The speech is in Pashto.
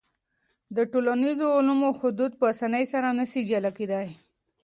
د ټولنیزو علومو حدود په اسانۍ سره نسي جلا کېدای.